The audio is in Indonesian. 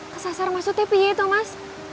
kesasar maksudnya apa ya itu mas